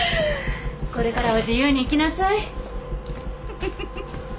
これからは自由に生きなさい。